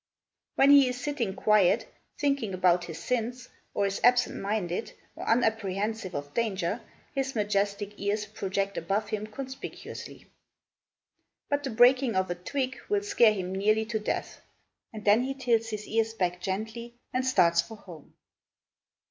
When he is sitting quiet, thinking about his sins, or is absent minded, or unapprehensive of danger, his majestic ears project above him conspicuously; but the breaking of a twig will scare him nearly to death, and then he tilts his ears back gently, and starts for home.